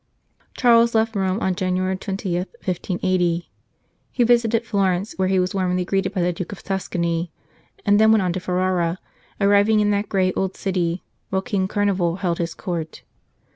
Charles left Rome on January 20, 1580 ; he visited Florence, where he was warmly greeted by the Duke of Tuscany, and then went on to Ferrara, arriving in that grey old city while King Carnival held his court.